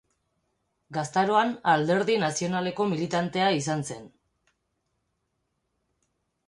Gaztaroan Alderdi Nazionaleko militantea izan zen.